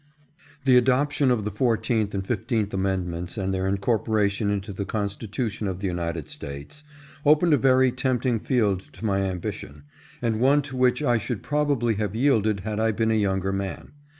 THE adoption, of the fourteenth and fifteenth amend ments and their incorporation into the Constitu tion of the United States opened a very tempting field to my ambition, and one to which I should probably have yielded had I been a younger man.